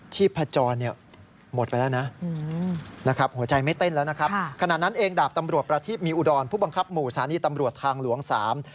ที่พจรหมดไปแล้วนะ